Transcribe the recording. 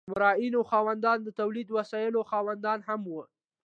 د مرئیانو خاوندان د تولیدي وسایلو خاوندان هم وو.